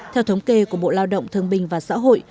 theo thống kê của bộ lao động thương bình và xã hội